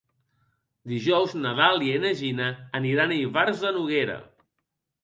Dijous na Dàlia i na Gina aniran a Ivars de Noguera.